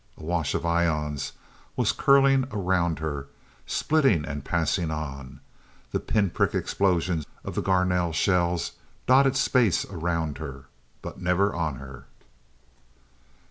A wash of ions was curling around her, splitting, and passing on. The pinprick explosions of the Garnell shells dotted space around her but never on her.